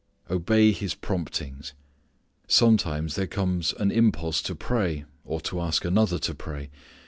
Obey His promptings. Sometimes there comes an impulse to pray, or to ask another to pray.